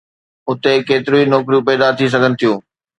هتي ڪيتريون نوڪريون پيدا ٿي سگهن ٿيون؟